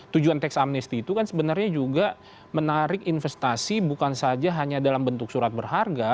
tujuan teks amnesti itu kan sebenarnya juga menarik investasi bukan saja hanya dalam bentuk surat berharga